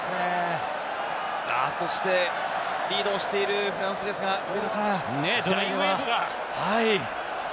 そして、リードをしているフランスですが、ラインウエーブが。